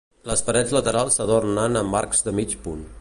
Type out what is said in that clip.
Les parets laterals s'adornen amb arcs de mig punt.